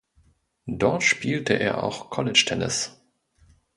Dort spielte er auch College Tennis.